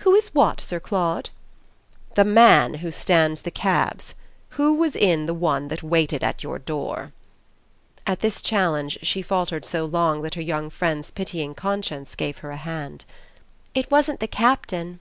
"Who is what, Sir Claude?" "The man who stands the cabs. Who was in the one that waited at your door?" At this challenge she faltered so long that her young friend's pitying conscience gave her a hand. "It wasn't the Captain."